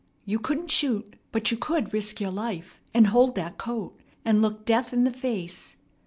You couldn't shoot; but you could risk your life, and hold that coat, and look death in the face.